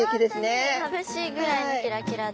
まぶしいぐらいのキラキラで。